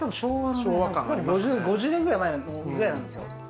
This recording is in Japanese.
５０年くらい前のなんですよ。